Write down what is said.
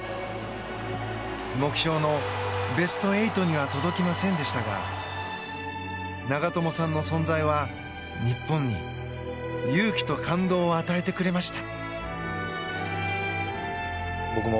目標のベスト８には届きませんでしたが長友さんの存在は、日本に勇気と感動を与えてくれました。